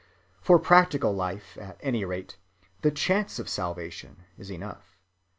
For practical life at any rate, the chance of salvation is enough.